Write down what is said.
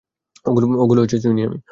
ওগুলো ছুঁইনি আমি।